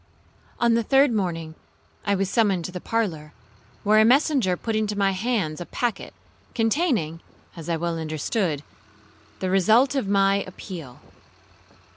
'On the third morning I was summoned to the parlour, where a messenger put into my hands a packet, containing (as I well understood) the result of my appeal.